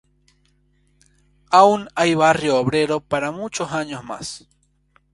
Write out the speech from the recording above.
Aún hay Barrio Obrero para muchos años más...